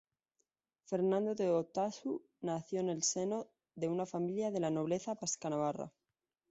Fernando de Otazu, nació en el seno de una familia de la nobleza vasca-navarra.